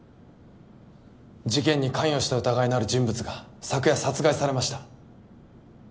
事件に関与した疑いのある人物が昨夜殺害されました。